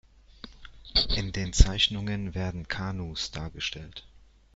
In den Zeichnungen werden Kanus dargestellt.